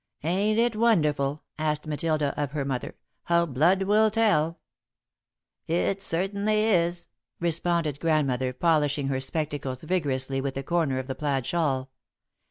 "Ain't it wonderful," asked Matilda of her mother, "how blood will tell?" "It certainly is," responded Grandmother, polishing her spectacles vigorously with a corner of the plaid shawl.